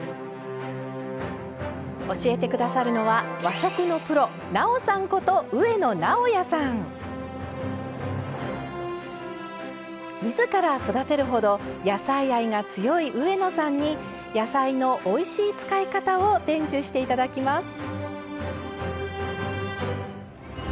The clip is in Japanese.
教えてくださるのは和食のプロ自ら育てるほど野菜愛が強い上野さんに野菜のおいしい使い方を伝授していただきます。